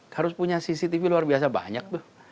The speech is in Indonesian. harus punya cctv luar biasa banyak tuh